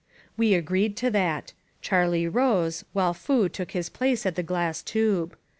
^ We agreed to that. Charlie rose, while Foo took his place at the glass tube.